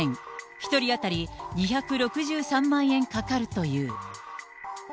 １人当たり２６３万円かかるという。